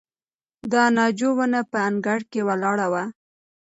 د ناجو ونه په انګړ کې ولاړه وه.